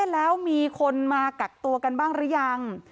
แล้วมีคนมากักตัวกันบ้างหรือยัง